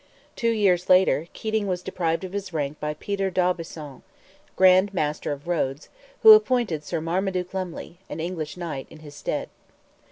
Two years later, Keating was deprived of his rank by Peter d'Aubusson, Grand Master of Rhodes, who appointed Sir Marmaduke Lumley, an English knight, in his stead.